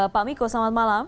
pak miko selamat malam